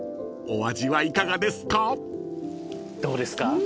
［お味はいかがですか？］